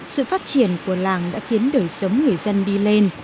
sự phát triển của làng đã khiến đời sống người dân đi lên